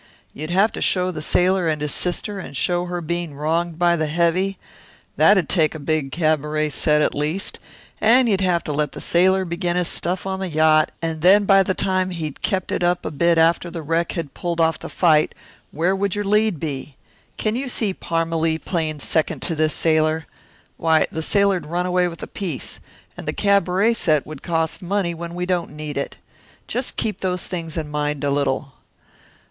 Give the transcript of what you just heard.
You'd have to show the sailor and his sister, and show her being wronged by the heavy that'd take a big cabaret set, at least and you'd have to let the sailor begin his stuff on the yacht, and then by the time he'd kept it up a bit after the wreck had pulled off the fight, where would your lead be? Can you see Parmalee playing second to this sailor? Why, the sailor'd run away with the piece. And that cabaret set would cost money when we don't need it just keep those things in mind a little."